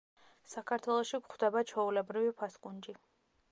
საქართველოში გვხვდება ჩვეულებრივი ფასკუნჯი.